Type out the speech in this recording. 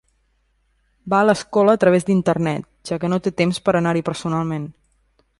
Va a l'escola a través d'internet, ja que no té temps per anar-hi personalment.